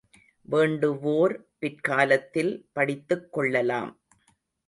வேண்டுவோர் பிற்காலத்தில் படித்துக் கொள்ளலாம்.